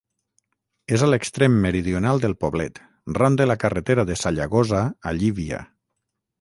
És a l'extrem meridional del poblet, ran de la carretera de Sallagosa a Llívia.